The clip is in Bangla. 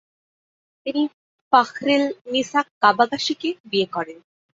তিনি ফাখরেলনিসা কাবাগাশিকে বিয়ে করেন।